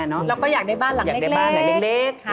แล้วอยากได้บ้านหลังเล็ก